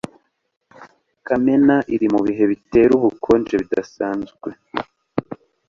kamena iri mu bihe bitera ubukonje budasanzwe